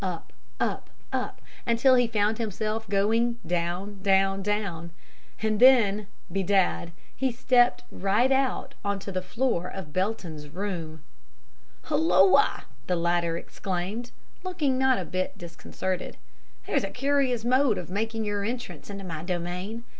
Up, up, up, until he found himself going down, down, down; and then bedad he stepped right out on to the floor of Belton's room. "'Hulloa!' the latter exclaimed, looking not a bit disconcerted, 'that's a curious mode of making your entrance into my domain!